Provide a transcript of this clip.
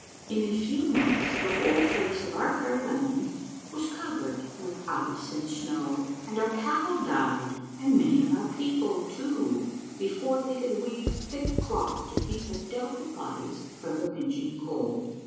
In a few months the whole face of our fair land was covered with ice and snow, and our cattle died, and many of our people, too, before they could weave thick cloth to keep their delicate bodies from the pinching cold.